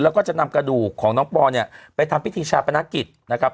แล้วก็จะนำกระดูกของน้องปอเนี่ยไปทำพิธีชาปนกิจนะครับ